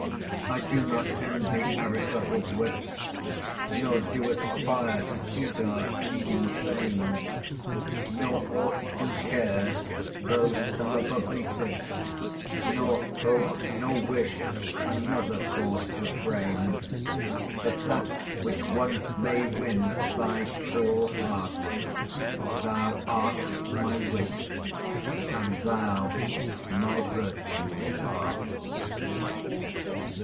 I do not envy Aristotle's wit, Nor do aspire to Cæsar's bleeding fame; Nor aught do care, though some above me sit; Nor hope, nor wish, another course to frame. But that which once may win thy cruel heart: Thou art my wit, and thou my virtue art.